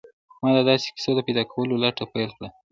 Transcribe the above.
ما د داسې کيسو د پيدا کولو لټه پيل کړه.